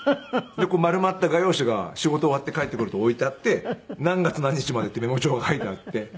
で丸まった画用紙が仕事終わって帰ってくると置いてあって何月何日までってメモ帳が書いてあって。